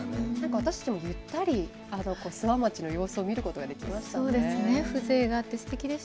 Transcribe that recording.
私たちもゆったり諏訪町の様子を見ることができましたね。